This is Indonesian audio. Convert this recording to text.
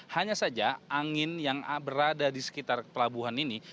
hanya saja angin yang berada di sekitar pelabuhan ini